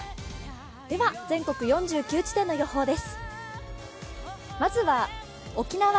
では全国４９地点の予報です。